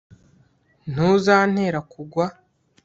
ntuzantera kugwa